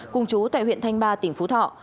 cùng chú tại huyện thanh ba tỉnh phú thọ